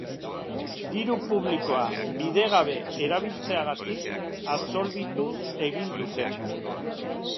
Diru publikoa bidegabe erabiltzeagatik absolbitu egin dute.